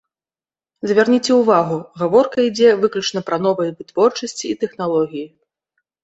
Звярніце ўвагу, гаворка ідзе выключна пра новыя вытворчасці і тэхналогіі.